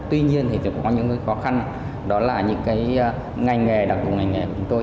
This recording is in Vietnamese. tuy nhiên thì cũng có những cái khó khăn đó là những cái ngành nghề đặc vụ ngành nghề của chúng tôi